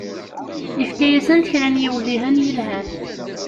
Yefka-asent kra n yiwellihen yelhan.